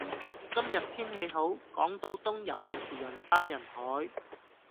今日天氣好，港島東游泳池人山人海。